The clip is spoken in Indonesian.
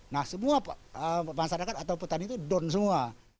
nah semua masyarakat atau petani itu down semua